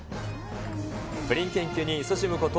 プリン研究にいそしむこと